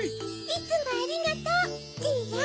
いつもありがとうじいや。